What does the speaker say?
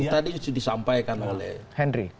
tadi itu disampaikan oleh pak henry